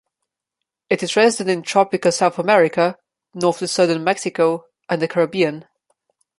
It is resident in tropical South America north to southern Mexico and the Caribbean.